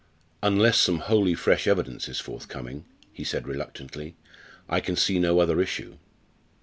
"Unless some wholly fresh evidence is forthcoming," he said reluctantly, "I can see no other issue."